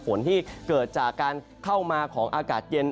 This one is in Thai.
ฝนที่เกิดจากการเข้ามาของอากาศเย็น